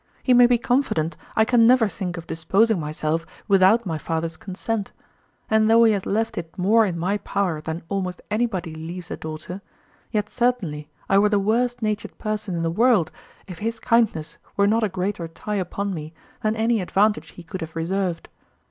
He may be confident I can never think of disposing myself without my father's consent; and though he has left it more in my power than almost anybody leaves a daughter, yet certainly I were the worst natured person in the world if his kindness were not a greater tie upon me than any advantage he could have reserved.